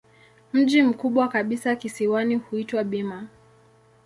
Mji mkubwa kabisa kisiwani huitwa Bima.